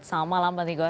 selamat malam bonartigor